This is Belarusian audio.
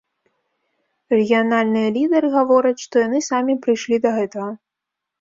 Рэгіянальныя лідары гавораць, што яны самі прыйшлі да гэтага.